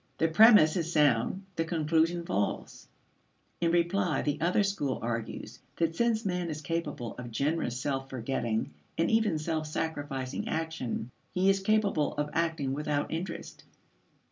The premise is sound; the conclusion false. In reply the other school argues that since man is capable of generous self forgetting and even self sacrificing action, he is capable of acting without interest.